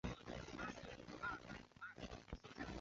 马家台汉墓的历史年代为汉。